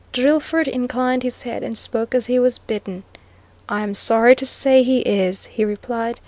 Drillford inclined his head, and spoke as he was bidden. "I'm sorry to say he is," he replied.